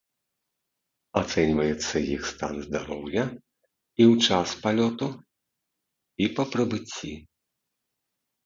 Ацэньваецца іх стан здароўя і ў час палёту, і па прыбыцці.